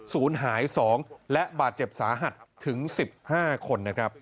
ศูนย์หาย๒และบาดเจ็บสาหัสถึง๑๕คนนะครับ